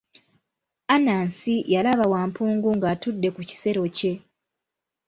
Anansi yalaba Wampungu ng'atudde ku kisero kye.